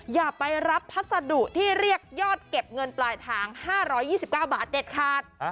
อย่าไปรับพัสดุที่เรียกยอดเก็บเงินปลายทาง๕๒๙บาทเด็ดขาด